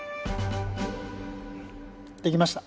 できました。